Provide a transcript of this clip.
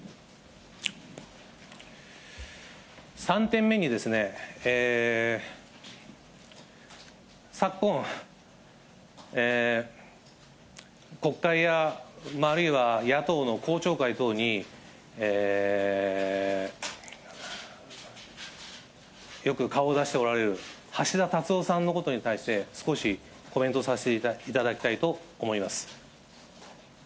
３点目に、昨今、国会やあるいは野党の公聴会等に、よく顔を出しておられる、橋田達夫さんのことに対して、少しコメントさせていただきたいと思います。